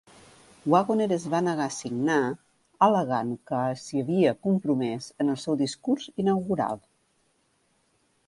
Wagoner es va negar a signar, al·legant que ha s'hi havia compromès en el seu discurs inaugural.